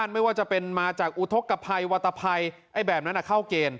ยังไม่ว่าจะเป็นมาจากอุทกไพรวัตพรรย์อันไหร่แบบนั้นอ่ะ